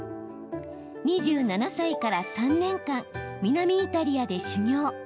２７歳から３年間南イタリアで修業。